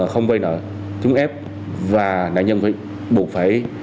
không vay nợ chúng ép và đánh nhân vị